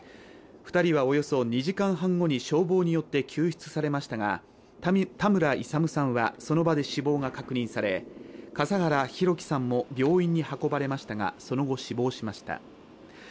２人はおよそ２時間半後に消防によって救出されましたが田村勇さんはその場で死亡が確認され笠原光貴さんも病院に運ばれましたがその後、死亡しました。